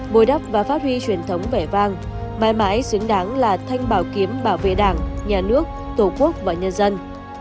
bồi đắp và phát huy truyền thống vẻ vang mãi mãi xứng đáng là thanh bảo kiếm bảo vệ đảng nhà nước tổ quốc và nhân dân